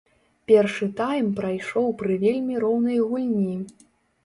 Першы тайм прайшоў пры вельмі роўнай гульні.